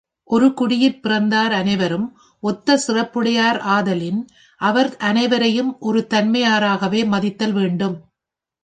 ஒரு குடியிற் பிறந்தார் அனைவரும் ஒத்த சிறப்புடையார் ஆதலின், அவர் அனைவரையும் ஒரு தன்மையராகவே மதித்தல் வேண்டும்.